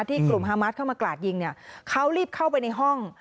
กลุ่มฮามาสเข้ามากราดยิงเนี่ยเขารีบเข้าไปในห้อง